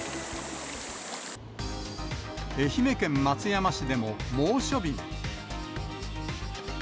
愛媛県松山市でも、猛暑日に。